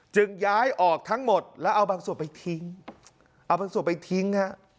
ย้ายออกทั้งหมดแล้วเอาบางส่วนไปทิ้งเอาบางส่วนไปทิ้งฮะ